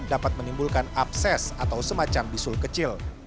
dapat menimbulkan abses atau semacam bisul kecil